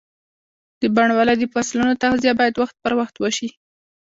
د بڼوالۍ د فصلونو تغذیه باید وخت پر وخت وشي.